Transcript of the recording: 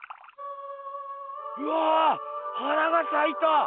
うわ花がさいた！